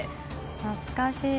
懐かしい。